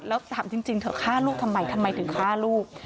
แล้วถามจริงเถอะฆ่าลูกทำไมทำไมถึงฆ่าลูก